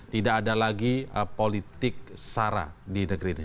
tidak ada lagi politik sara di negeri ini